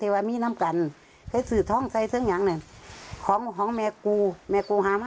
รวมทำแผ้วก็หรือ